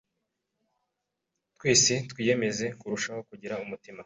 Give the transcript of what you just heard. Twese twiyemeze kurushaho kugira umutima